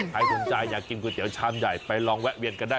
ใครสนใจอยากกินก๋วยเตี๋ยวชามใหญ่ไปลองแวะเวียนกันได้